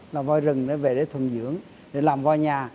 là voi rừng để thuần dưỡng để làm voi nhà